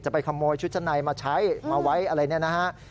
จะไปขโมยชุดชะไหนมาใช้มาไว้อะไรนี้นะฮะ